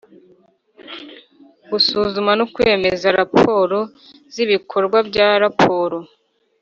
Gusuzuma no kwemeza raporo z ibikorwa bya raporo